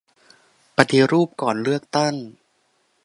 ปฏิรูปก่อนเลือกตั้ง